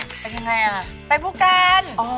เป็นยังไงอะเป็นพูแกน